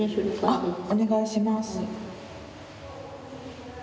あっお願いします。